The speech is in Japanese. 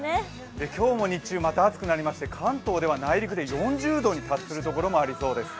今日も日中、また暑くなりまして関東では内陸で４０度に達するところもありそうです。